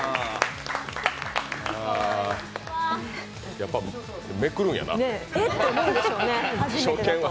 やっぱ、めくるんやな、初見は。